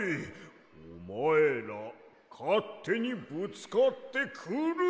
おまえらかってにぶつかってくるな！